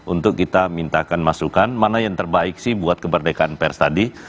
untuk kita mintakan masukan mana yang terbaik sih buat kemerdekaan pers tadi